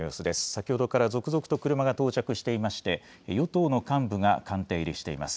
先ほどから続々と車が到着していまして与党の幹部が官邸入りしています。